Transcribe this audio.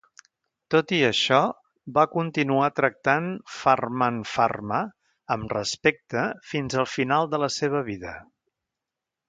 Tot i això, va continuar tractant Farman-Farma amb respecte fins al final de la seva vida.